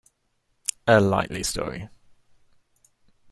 A likely story!